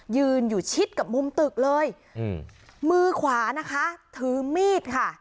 ยืนอยู่ชิดกับมุมตึกเลยอืมมือขวานะคะถือมีดค่ะ